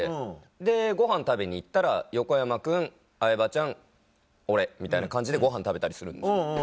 でごはん食べに行ったら横山君相葉ちゃん俺みたいな感じでごはん食べたりするんです。